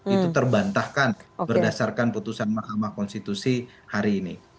itu terbantahkan berdasarkan putusan mahkamah konstitusi hari ini